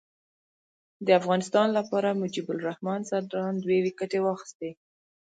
د افغانستان لپاره مجيب الرحمان ځدراڼ دوې ویکټي واخیستي.